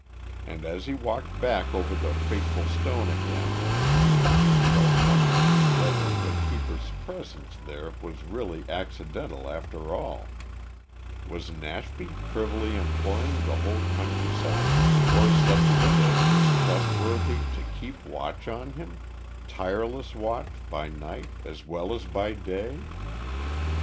And as he walked back over the fateful stone again he found himself wondering whether the keeper's presence there was really accidental after all. Was Nashby privily employing the whole countryside or such of it as was trustworthy to keep watch on him tireless watch by night as well as by day?